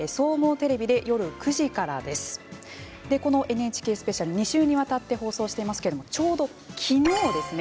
ＮＨＫスペシャル２週にわたって放送していますけれどちょうど昨日ですね